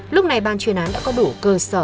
lúc này ban chuyên án đã có đủ cơ sở